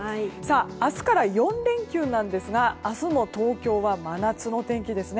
明日から４連休なんですが明日の東京は真夏の天気ですね。